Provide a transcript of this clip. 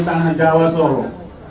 tanah jawa soro